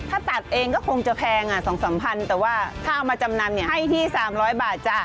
ถ้าตัดเองก็คงจะแพง๒๓๐๐แต่ว่าถ้าเอามาจำนำให้ที่๓๐๐บาทจ้ะ